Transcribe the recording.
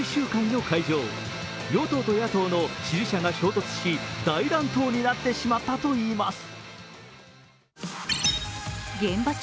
与党と野党の支持者が衝突し、大乱闘になってしまったといいます。